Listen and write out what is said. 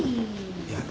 いや。